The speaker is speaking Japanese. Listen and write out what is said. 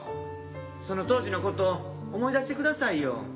その当時のことを思い出してくださいよ。